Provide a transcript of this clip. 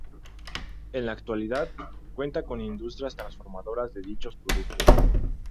En la actualidad cuenta con industrias transformadoras de dichos productos.